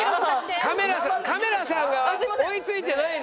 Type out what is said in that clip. カメラさんが追いついてないのよ。